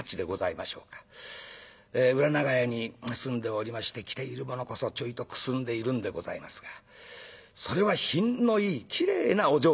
裏長屋に住んでおりまして着ているものこそちょいとくすんでいるんでございますがそれは品のいいきれいなお嬢さんでございます。